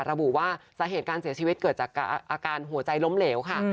ระบุว่าสาเหตุการเสียชีวิตเกิดจากอาการหัวใจล้มเหลวค่ะ